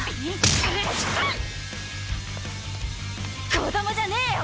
子供じゃねえよ！